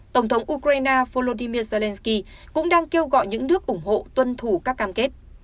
tổng thống ukraine volodymyr zelensky cũng đang kêu gọi những nước ủng hộ tuân thủ các cam kết